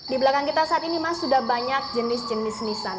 di belakang kita saat ini mas sudah banyak jenis jenis nisan